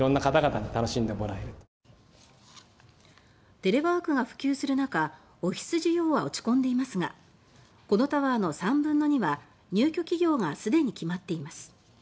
テレワークが普及する中オフィス需要は落ち込んでいますがこのタワーの３分の２は入居企業が既に決まっています。